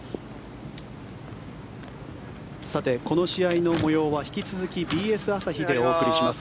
さて、この試合の模様は引き続きＢＳ朝日でお送りします。